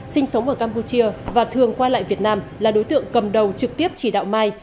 sinh sống ở campuchia và thường quay lại việt nam là đối tượng cầm đầu trực tiếp chỉ đạo mai